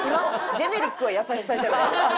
ジェネリックは「優しさ」じゃない。